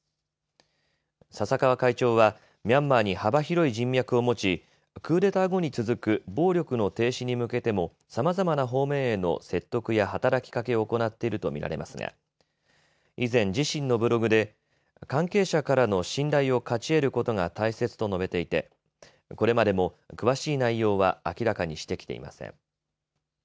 笹川会長はミャンマーに幅広い人脈を持ちクーデター後に続く暴力の停止に向けてもさまざまな方面への説得や働きかけを行っていると見られますが以前、自身のブログで関係者からの信頼を勝ち得ることが大切と述べていてこれまでも詳しい内容は明らかにしてきていません。